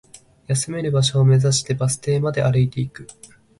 休める場所を目指して、バス停まで歩いていく